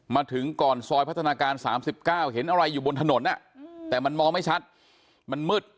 มาถึงก่อนซอยพัฒนาการ๓๙เห็นอะไรอยู่บนถนนแต่มันมองไม่ชัดมันมืด